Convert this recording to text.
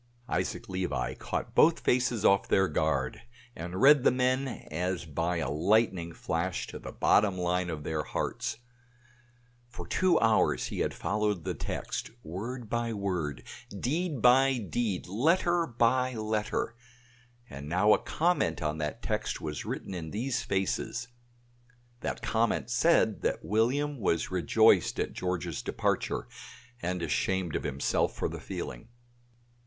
Isaac Levi caught both faces off their guard, and read the men as by a lightning flash to the bottom line of their hearts. For two hours he had followed the text, word by word, deed by deed, letter by letter, and now a comment on that text was written in these faces. That comment said that William was rejoiced at George's departure and ashamed of himself for the feeling.